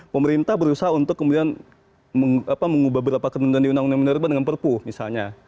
pemerintah berusaha untuk kemudian mengubah beberapa ketentuan di undang undang minerba dengan perpu misalnya